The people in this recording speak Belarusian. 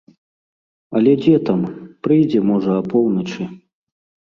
Але дзе там, прыйдзе, можа, апоўначы.